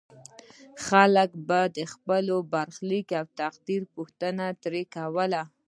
خلکو به د خپل برخلیک او تقدیر پوښتنه ترې کوله.